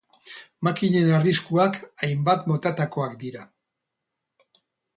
Makinen arriskuak hainbat motatakoak dira.